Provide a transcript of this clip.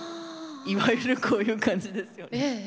いわゆるこういう感じですよね。